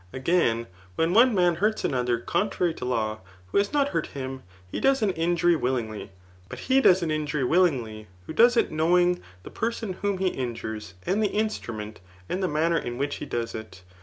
Again, when one man hurts ano^ tber omtrary to law, who has not hurt him, he does an injury willingly; but he does an injury willingly, who does it knowing the person whom he injures^ and the instrument, and the manner in which he does it.